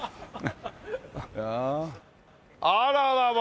あららら！